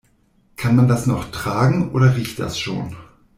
Kann man das noch tragen, oder riecht das schon?